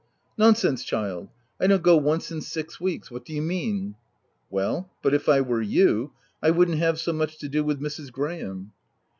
"Nonsense child! I don't go once in six weeks— what do you mean ?" "Well, but if I were you, I wouldn't have so much to do with Mrs. Graham.''